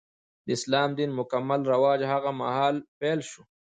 د اسلام دین مکمل رواج هغه مهال پیل شو.